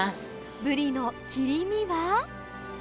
ブリの切り身は？